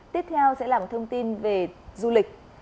tiếp theo sẽ là một thông tin về du lịch